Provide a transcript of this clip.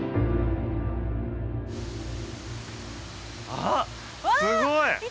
あっすごい！